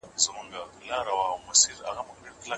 کتاب او علم د انسانیت پرمختګ ته زمینه برابروي.